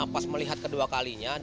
pas melihat kedua kalinya